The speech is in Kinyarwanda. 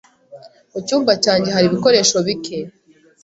Mu cyumba cyanjye hari ibikoresho bike.